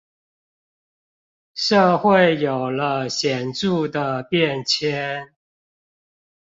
社會有了顯著的變遷